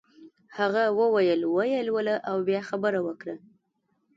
هغه وویل ویې لوله او بیا خبره کوه.